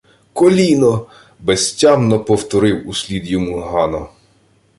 — Коліно, — безтямно повторив услід йому Гано.